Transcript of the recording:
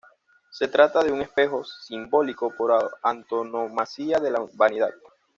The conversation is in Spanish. Se trata de un espejo, símbolo por antonomasia de la vanidad.